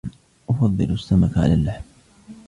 أفضل السمك على اللحم.